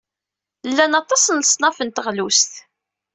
Llan aṭas n leṣnaf n teɣlust.